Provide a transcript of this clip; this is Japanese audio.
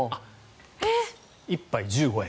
１杯１５円。